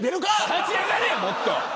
立ち上がれよ、もっと。